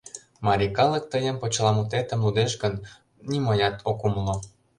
Марий калык тыйын почеламутетым лудеш гын, нимаят ок умыло...